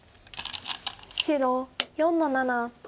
白４の七。